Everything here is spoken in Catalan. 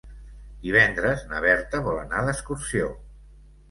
Divendres na Berta vol anar d'excursió.